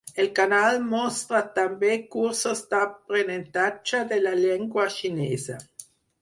El canal mostra també cursos d'aprenentatge de la llengua xinesa.